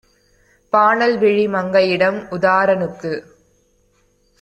பானல்விழி மங்கையிடம் "உதார னுக்குப்